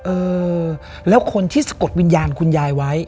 เออแล้วคนที่สะกดวิญญาณคุณยายไว้